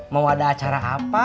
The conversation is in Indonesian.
mau ada acara apa